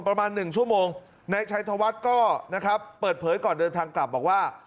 ประมาณหนึ่งชั่วโมงนายชัยธวัฒน์ก็นะครับเปิดเผยก่อนเดินทางกลับบอกว่า